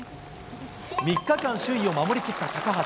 ３日間、首位を守り切った高橋。